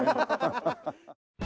ハハハハ。